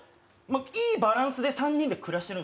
いいバランスで３人で暮らしてるんですよ